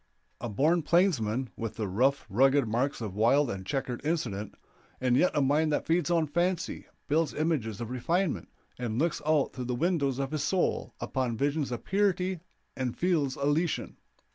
A born plainsman, with the rough, rugged marks of wild and checkered incident, and yet a mind that feeds on fancy, builds images of refinement, and looks out through the windows of his soul upon visions of purity and fields elysian.